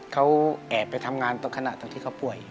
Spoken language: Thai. เขาแอบไปทำงานตรงขณะตรงที่เขาป่วย